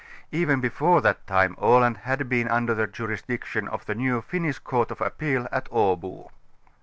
Even before that time Aland had been under the jurisdiction of the new Finnish Court of Appeal at Abo.